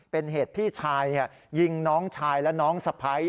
เป็นเหตุพี่ชายยิงน้องชายและน้องสะพ้าย